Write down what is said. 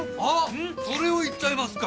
それを言っちゃいますか。